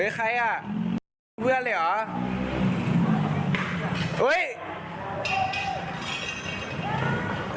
เป็นใครอ่ะเพื่อนเลยหรอ